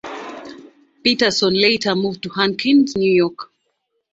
Peterson later moved to Hankins, New York.